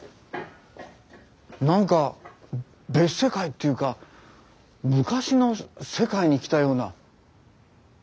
何か別世界っていうか昔の世界に来たような。